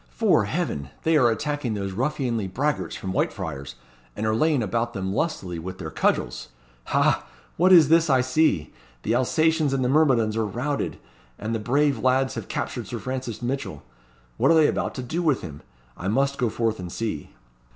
'Fore heaven! they are attacking those ruffianly braggarts from Whitefriars, and are laying about them lustily with their cudgels. Ha! what is this I see? The Alsatians and the myrmidons are routed, and the brave lads have captured Sir Francis Mitchell. What are they about to do with him? I must go forth and see."